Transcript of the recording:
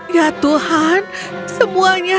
ya tuhan semuanya lari